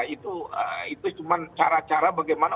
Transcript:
itu cuma cara cara bagaimana